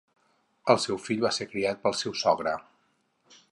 El seu fill va ser criat pel seu sogre.